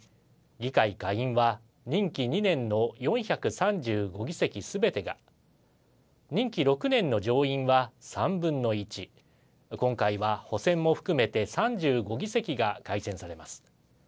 議会下院は任期２年の４３５議席すべてが任期６年の上院は３分の１今回は補選も含めて３５議席が改選されます。